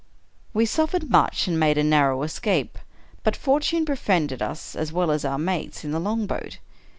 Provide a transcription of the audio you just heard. We suflfered much, and made a narrow escape; but for tune befriended us, as well as our mates in the longboat.